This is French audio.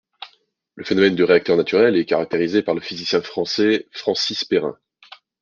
Le phénomène de réacteur naturel est caractérisé par le physicien français Francis Perrin.